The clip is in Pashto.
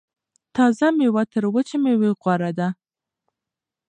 تازه میوه تر وچې میوې غوره ده.